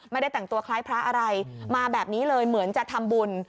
ไม่ได้แต่งตัวคล้ายพระอะไรมาแบบนี้เลยเหมือนจะทำบุญ